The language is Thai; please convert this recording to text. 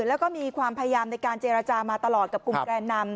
แล้วก็มีความพยายามในการเจรจามาตลอดกับกลุ่มแกนนำ